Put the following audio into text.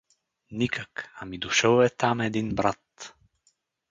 — Никак, ами дошъл е там един брат.